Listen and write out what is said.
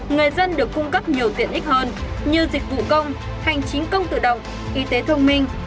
người dân được cung cấp nhiều tiện ích hơn như dịch vụ công hành chính công tự động y tế thông minh